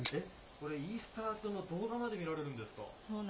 これ、イースター島の動画まで見られるんですか？